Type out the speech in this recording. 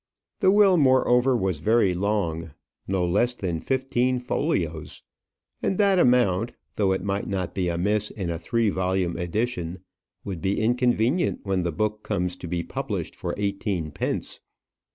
The will, moreover, was very long no less than fifteen folios. And that amount, though it might not be amiss in a three volume edition, would be inconvenient when the book comes to be published for eighteen pence.